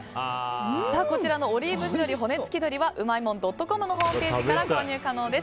こちらのオリーブ地鶏骨付鶏はうまいもんドットコムのホームページから購入可能です。